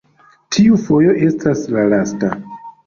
tiu fojo estas la lasta!